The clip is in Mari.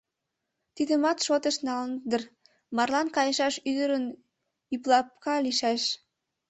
Тидымат шотыш налыныт дыр: марлан кайышаш ӱдырын ӱплапка лийшаш.